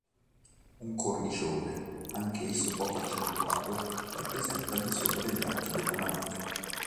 Un cornicione, anch'esso poco accentuato, è presente al di sopra degli archi della navata.